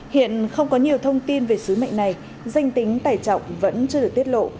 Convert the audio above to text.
hiện không có nhiều thông tin về sứ mệnh này danh tính tài trọng vẫn chưa được tiết lộ